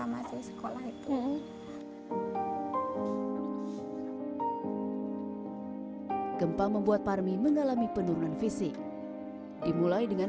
masih sekolah itu gempa membuat parmi mengalami penurunan fisik dimulai dengan